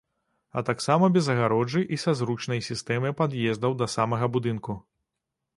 А таксама без агароджы і са зручнай сістэмай пад'ездаў да самага будынку.